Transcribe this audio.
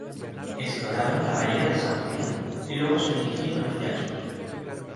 Exploraron la bahía de San Julián y luego se dirigieron hacia el sur.